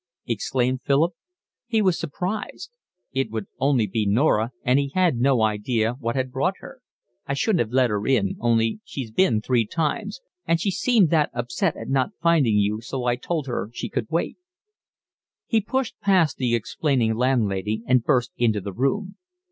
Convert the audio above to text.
exclaimed Philip. He was surprised. It would only be Norah, and he had no idea what had brought her. "I shouldn't 'ave let her in, only she's been three times, and she seemed that upset at not finding you, so I told her she could wait." He pushed past the explaining landlady and burst into the room.